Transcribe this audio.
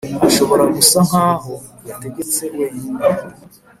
ashobora gusa nkaho yategetse 'wenyine